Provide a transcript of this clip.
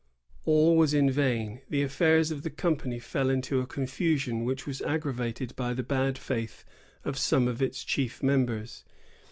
All was in vain. The affairs of the company fell into a confusion which was aggravated by the bad faith of some of its chief members.